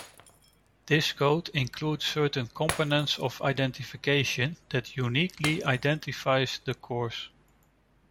This code includes certain components of identification that uniquely identifies the course.